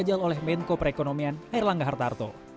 menjajal oleh menko perekonomian herlangga hartarto